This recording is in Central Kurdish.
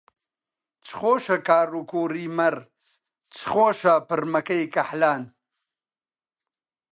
چ خۆشە کاڕ و کووڕی مەڕ، چ خۆشە پڕمەکەی کەحلان